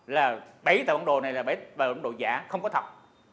là bảy tờ bản đồ này là bảy tờ bản đồ giả không có thật